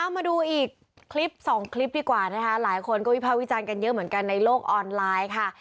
มาดูอีกคลิปสองคลิปดีกว่านะคะหลายคนก็วิภาควิจารณ์กันเยอะเหมือนกันในโลกออนไลน์ค่ะ